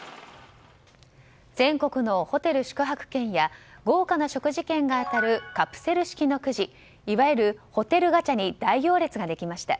全国のホテル宿泊券や豪華な食事券が当たるカプセル式のくじいわゆるホテルガチャに大行列ができました。